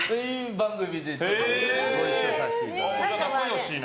番組でご一緒させていただいて。